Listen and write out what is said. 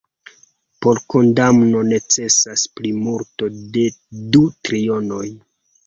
Por kondamno necesas plimulto de du trionoj.